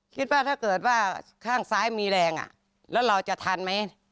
คิดว่าถ้าเกิดว่าข้างซ้ายมีแรงแล้วเราจะทันไหม